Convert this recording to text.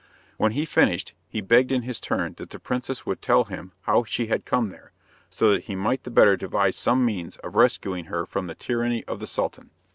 When he had finished, he begged in his turn that the princess would tell him how she had come there, so that he might the better devise some means of rescuing her from the tyranny of the Sultan.